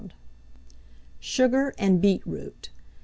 SUGAR AND BEETROOT.